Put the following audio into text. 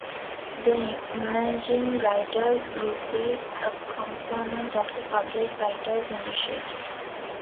The Emerging Writers Group is a component of The Public Writers Initiative.